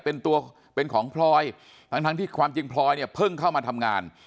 เป็นตัวเป็นของพลอยทั้งที่ความจริงพลอยเนี่ยเพิ่งเข้ามาทำงาน